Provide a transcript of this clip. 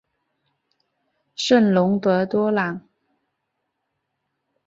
圣龙德多朗。